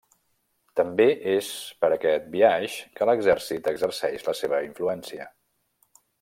També és per aquest biaix que l'exèrcit exerceix la seva influència.